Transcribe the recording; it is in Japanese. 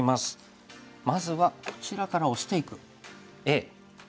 まずはこちらからオシていくＡ。